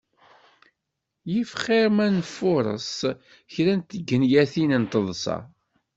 If xir ma nfureṣ kra n tgenyatin n teḍsa.